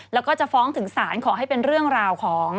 แล้วก็จะฟ้องถึงศาลขอให้เป็นเรื่องราวของ